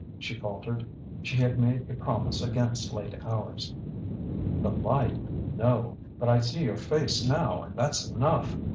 she faltered; she had made a promise against late hours. "The light no; but I see your face now, and that's enough.